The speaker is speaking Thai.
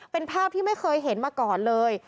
เป็นภาพที่ไม่เคยเห็นมาก่อนเลย